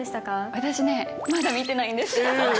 私ね、まだ見てないんです。